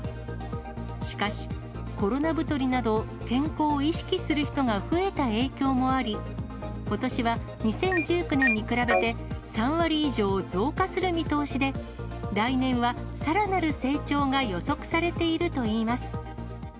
しかし、コロナ太りなど健康を意識する人が増えた影響もあり、ことしは２０１９年に比べて、３割以上増加する見通しで、来年はさらなる成長が予測されているといいます。